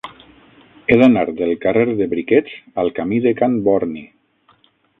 He d'anar del carrer de Briquets al camí de Can Borni.